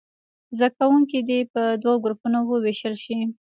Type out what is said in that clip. زده کوونکي دې په دوو ګروپونو ووېشل شي.